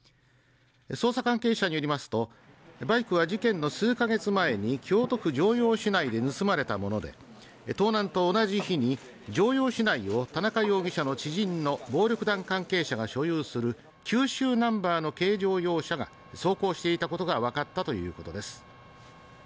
捜査関係者によりますとバイクは事件の数か月前に京都府城陽市内で盗まれたもので盗難と同じ日に城陽市内を田中容疑者の知人の暴力団関係者が所有する九州ナンバーの軽乗用車が走行していたことが分かったということです